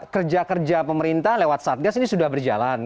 kerja kerja pemerintah lewat satgas ini sudah berjalan